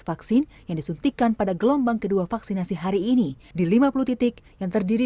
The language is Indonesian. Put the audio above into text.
vaksin yang disuntikan pada gelombang kedua vaksinasi hari ini di lima puluh titik yang terdiri